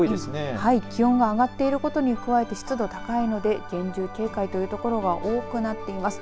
気温が上がっていることに加えて湿度が高いので厳重警戒という所が多くなっています。